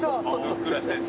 ふっくらしてって。